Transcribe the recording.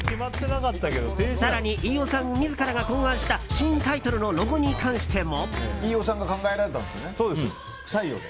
更に、飯尾さん自らが考案した新タイトルのロゴに関しても。